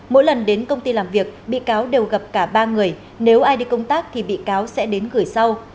mỗi lần đến công ty làm việc bị cáo đều gặp cả ba người nếu ai đi công tác thì bị cáo sẽ đến gửi sau